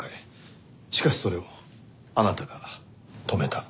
しかしそれをあなたが止めた。